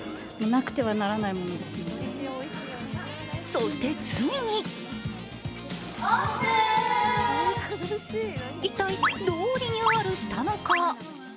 そしてついに一体どうリニューアルしたのか。